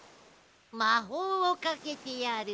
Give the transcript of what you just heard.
まほうをかけてやる。